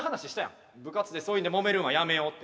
部活でそういうんでもめるんはやめようって。